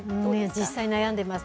実際、悩んでます。